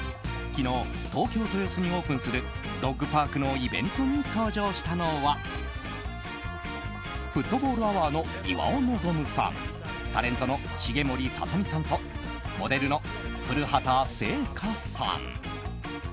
昨日、東京・豊洲にオープンするドッグパークのイベントに登場したのはフットボールアワーの岩尾望さんタレントの重盛さと美さんとモデルの古畑星夏さん。